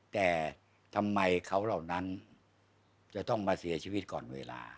แต่ทำไมเขาเหล่านั้นจะต้องมาเสียชีวิตก่อนเวลา